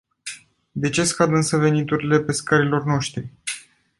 De ce scad însă veniturile pescarilor noștri?